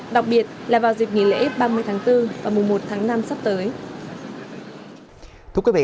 đặc biệt là vào dịp nghỉ lễ ba mươi tháng bốn và mùa một tháng năm sắp tới